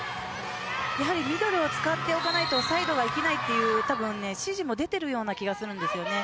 やはりミドルを使っておかないとサイドが生きないという指示も出ているような気がするんです。